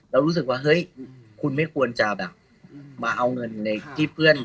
รู้สึกว่าเฮ้ยคุณไม่ควรจะแบบมาเอาเงินในที่เพื่อน